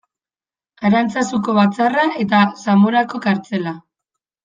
Arantzazuko batzarra eta Zamorako kartzela.